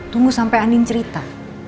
tunggu sampe andi cerita